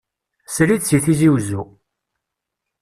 Srid seg Tizi uzzu.